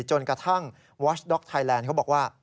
จนกระทั่งวอชด็อกไทยแลนด์เขาบอกว่า